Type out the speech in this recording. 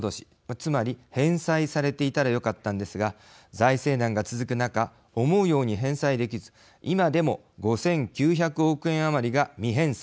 つまり返済されていたらよかったんですが財政難が続く中思うように返済できず今でも５９００億円余りが未返済。